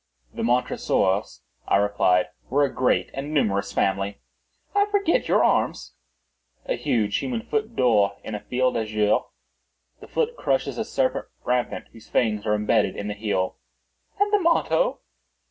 "The Montresors," I replied, "were a great and numerous family." "I forget your arms." "A huge human foot d'or, in a field azure; the foot crushes a serpent rampant whose fangs are imbedded in the heel." "And the motto?"